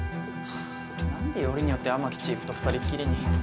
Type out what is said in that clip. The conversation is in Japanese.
なんでよりによって雨樹チーフと二人っきりに。